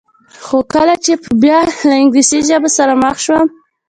خو کله چې به بیا له انګلیسي ژبو سره مخ شوم.